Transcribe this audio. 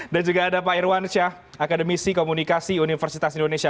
dan juga ada pak irwan syah akademisi komunikasi universitas indonesia